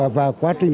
và quá trình